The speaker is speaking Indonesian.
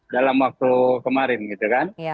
dalam waktu kemarin gitu kan